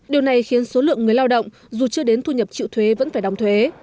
điều này khiến số lượng người lao động dù chưa đến thu nhập chịu thuế vẫn phải đóng thuế